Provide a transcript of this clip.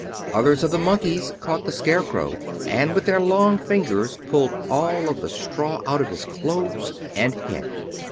Others of the Monkeys caught the Scarecrow, and with their long fingers pulled all of the straw out of his clothes and head.